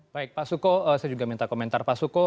baik pak suko saya juga minta komentar pak suko